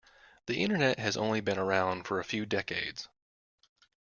The internet has only been around for a few decades.